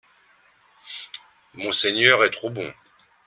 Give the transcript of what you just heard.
Monseigneur est trop bon